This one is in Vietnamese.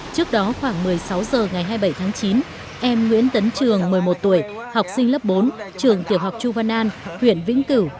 trước đó khoảng một mươi sáu h ngày hai mươi bảy tháng chín em nguyễn tấn trường một mươi một tuổi học sinh lớp bốn trường tiểu học chu văn an huyện vĩnh cửu